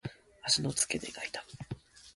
足の付け根が痛む。